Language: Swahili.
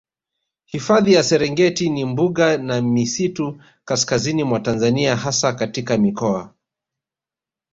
Hifadhi ya Serengeti ni mbuga na misitu kaskazini mwa Tanzania hasa katika mikoa